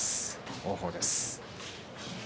王鵬です。